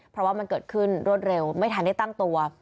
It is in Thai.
เพราะว่ามันเกิดขึ้นรวดเร็วไม่ทันได้ตั้งตัว